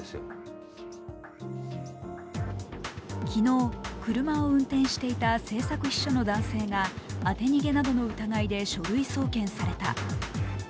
昨日、車を運転していた政策秘書の男性が当て逃げなどの疑いで書類送検された。